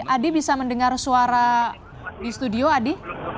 adi bisa mendengar suara di studio adi